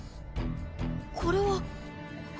これは。